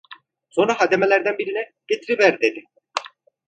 Sonra hademelerden birine: "Getiriver!" dedi.